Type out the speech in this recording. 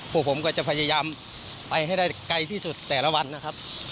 พวกผมก็จะพยายามไปให้ได้ไกลที่สุดแต่ละวันนะครับ